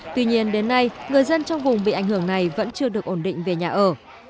tuy nhiên đến nay người dân trong vùng bị ảnh hưởng này vẫn chưa được ổn định về nhà ở